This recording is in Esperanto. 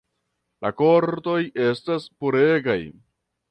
La kortoj estas puregaj.